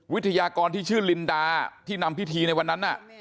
วิทยากรที่ชื่อลินดาที่นำพิธีในวันนั้น